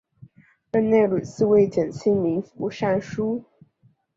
任内屡次为减轻民负上疏。